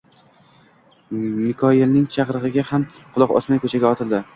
Mikoyilning chaqirig`iga ham quloq osmay ko`chaga otildi